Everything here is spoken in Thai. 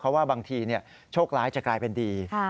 เพราะว่าบางทีโชคร้ายจะกลายเป็นดี